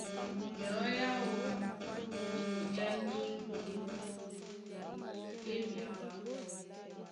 Nyɔ̌ ǎō yá nyíŋgó í e myaɓá.